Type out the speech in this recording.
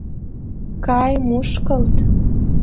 Кай, мушкылт.